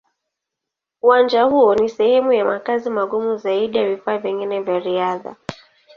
Uwanja huo ni sehemu ya makazi magumu zaidi ya vifaa vingine vya riadha.